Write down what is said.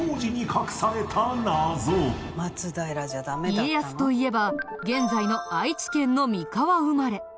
家康といえば現在の愛知県の三河生まれ。